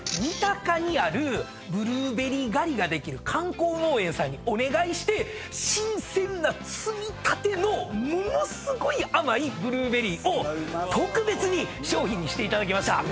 三鷹にあるブルーベリー狩りができる観光農園さんにお願いして新鮮な摘みたてのものすごい甘いブルーベリーを特別に賞品にしていただきました。